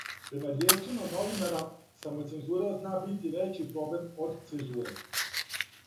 Према ријечима новинара, самоцензура зна бити већи проблем од цензуре.